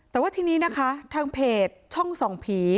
แต่ว่าทีนี้นะคะทางเพจช่องส่องผี